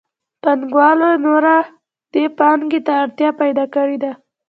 پانګوالو نوره دې پانګې ته اړتیا پیدا کړې ده